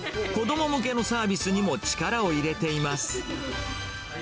子ども向けのサービスにも力を入れています。